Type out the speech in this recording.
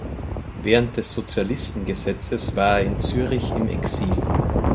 Während des Sozialistengesetzes war er in Zürich im Exil.